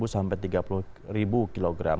dua puluh sampai tiga puluh kilogram